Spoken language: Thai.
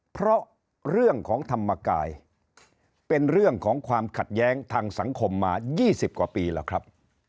เพราะเรื่องของธรรมกายเป็นเรื่องของความขัดแย้งทางสังคมมา๒๐กว่าปีแล้วครับ